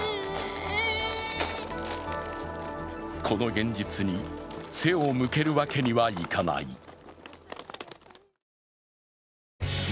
この現実に背を向けるわけにはいかない。